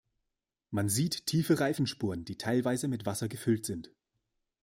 Man sieht tiefe Reifenspuren, die teilweise mit Wasser gefüllt sind.